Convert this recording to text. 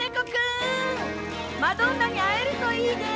マドンナに会えるといいね！